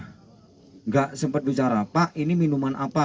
tidak sempat bicara pak ini minuman apa